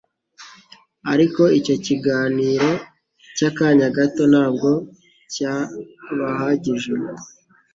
Ariko icyo kiganiro cy'akanya gato ntabwo cyabahagije.